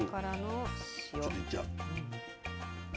ちょっといっちゃう。